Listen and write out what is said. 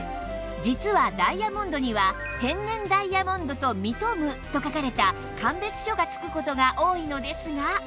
実はダイヤモンドには「天然ダイヤモンドと認む」と書かれた鑑別書が付く事が多いのですが